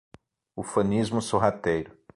Ufanismo sorrateiro